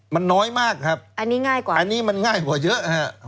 มันน้อยมากครับอันนี้มันง่ายกว่าเยอะ